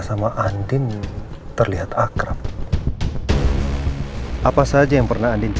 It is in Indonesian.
sayang di kamar mandi ya